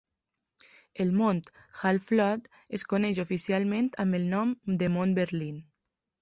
El mont Hal Flood es coneix oficialment amb el nom de mont Berlín.